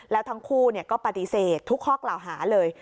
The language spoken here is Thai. แล้วทั้งคู่ก็ปฏิเสธทุกข้อกล่าวหาเลย